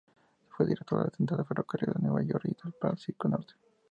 Fue director de la Central de ferrocarriles de Nueva York y del Pacífico Norte.